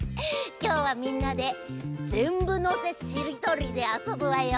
きょうはみんなで「ぜんぶのせしりとり」であそぶわよ。